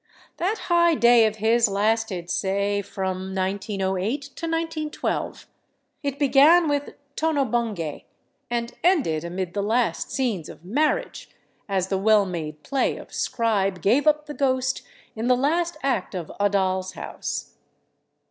That high day of his lasted, say, from 1908 to 1912. It began with "Tono Bungay" and ended amid the last scenes of "Marriage," as the well made play of Scribe gave up the ghost in the last act of "A Doll's House."